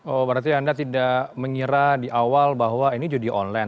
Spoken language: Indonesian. oh berarti anda tidak mengira di awal bahwa ini judi online